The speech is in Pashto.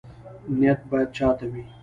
نیت باید چا ته وي؟